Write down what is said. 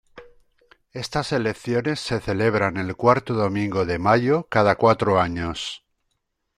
Estas elecciones se celebran el cuarto domingo de mayo cada cuatro años.